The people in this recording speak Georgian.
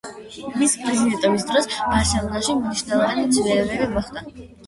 მისი პრეზიდენტობის დროს „ბარსელონაში“ მნიშვნელოვანი ცვლილებები მოხდა.